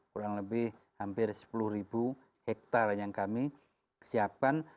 kurang lebih hampir sepuluh hektar yang kami siapkan